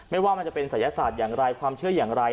ไม่ว่ามันจะเป็นศัยศาสตร์อย่างไรความเชื่ออย่างไร